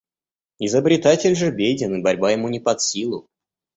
Изобретатель же беден и борьба ему не под силу.